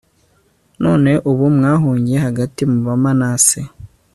none ubu mwahungiye hagati mu bamanase